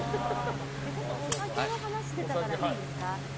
お酒の話出たからいいですか。